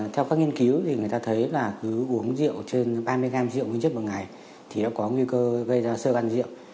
theo các nghiên cứu người ta thấy uống rượu trên ba mươi gram rượu nguyên chất một ngày có nguy cơ gây ra sơ gan rượu